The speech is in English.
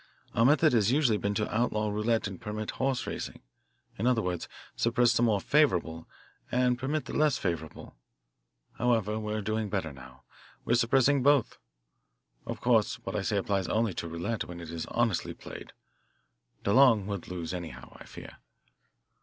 Our method has usually been to outlaw roulette and permit horse racing; in other words, suppress the more favourable and permit the less favourable. However, we're doing better now; we're suppressing both. Of course what I say applies only to roulette when it is honestly played DeLong would lose anyhow, I fear."